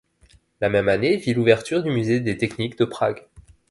La même année vit l'ouverture du Musée des Techniques de Prague.